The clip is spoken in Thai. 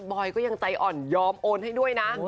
อยก็ยังใจอ่อนยอมโอนให้ด้วยนะ